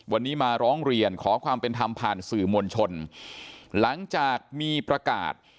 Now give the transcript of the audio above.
วันนี้มาร้องเรียนขอความเป็นธรรมผ่านสื่อมวลชนหลังจากมีประกาศ